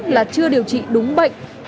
là chưa điều trị đúng bệnh